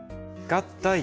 合体。